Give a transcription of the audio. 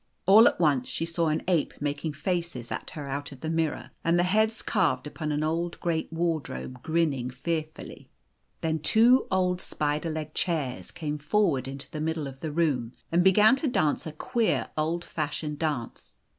All at once she saw an ape making faces at her out of the mirror, and the heads carved upon a great old wardrobe grinning fearfully. Then two old spider legged chairs came forward into the middle of the room, and began to dance a queer, old fashioned dance.